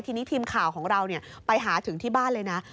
ทีนี้ทีมข่าวของเราไปหาถึงที่บ้านเลยนะ